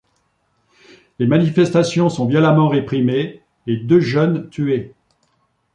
Les manifestations sont violemment réprimées et deux jeunes tués.